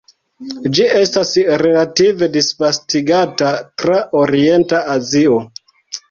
Ĝi estas relative disvastigata tra orienta Azio.